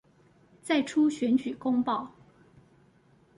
再出選舉公報